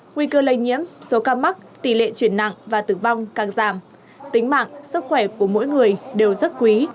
nguy cơ lây nhiễm số ca mắc tỷ lệ chuyển nặng và tử vong càng giảm tính mạng sức khỏe của mỗi người đều rất quý